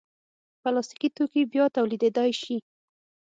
پلاستيکي توکي بیا تولیدېدای شي.